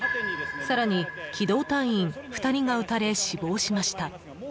更に機動隊員２人が撃たれ死亡しました。